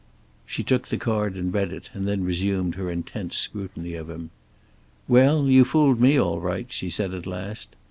She took the card and read it, and then resumed her intent scrutiny of him. "Well, you fooled me all right," she said at last.